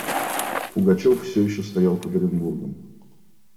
Пугачев все еще стоял под Оренбургом.